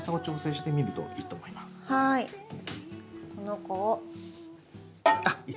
はい。